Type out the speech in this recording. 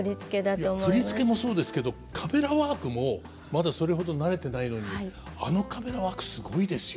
いや振付もそうですけどカメラワークもまだそれほど慣れてないのにあのカメラワークすごいですよ。